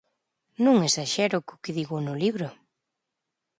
Non esaxero co que digo no libro.